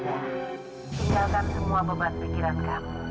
tinggalkan semua beban pikiran kami